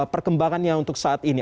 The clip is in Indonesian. perkembangannya untuk saat ini